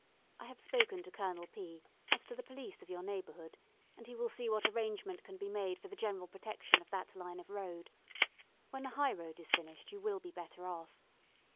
I have spoken to Colonel P as to the police of your neighbourhood, and he will see what arrangement can be made for the general protection of that line of road. When the high road is finished, you will be better off.